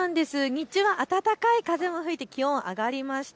日中は暖かい風も吹いて気温、上がりました。